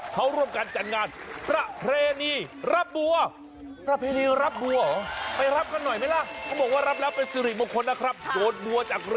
เขาร่วมการจัดงานประเพณีรับบัว